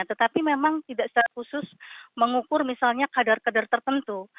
tetapi memang tidak secara khusus mengukur misalnya kadar kadar tertentu